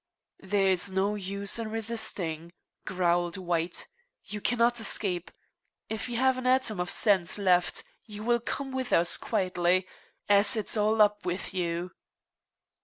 "There's no use in resisting," growled White. "You cannot escape. If you have an atom of sense left you will come with us quietly, as it's all up with you."